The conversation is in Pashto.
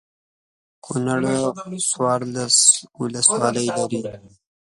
کنړ څوارلس ولسوالۍ لري.